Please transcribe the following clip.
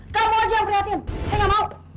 kamu aja yang prihatin saya gak mau